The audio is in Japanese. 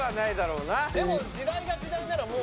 でも時代が時代ならもう。